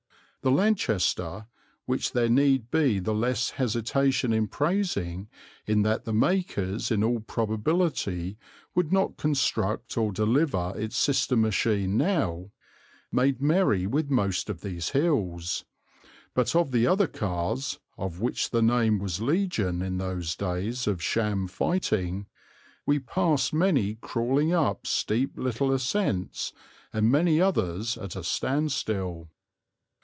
The Lanchester, which there need be the less hesitation in praising in that the makers in all probability would not construct or deliver its sister machine now, made merry with most of these hills, but of the other cars, of which the name was legion in those days of sham fighting, we passed many crawling up steep little ascents and many others at a standstill.